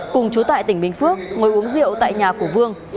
cùng chú tại tỉnh bình phước ngồi uống rượu tại nhà của vương